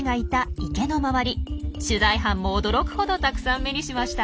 取材班も驚くほどたくさん目にしました。